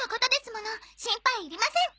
心配いりません。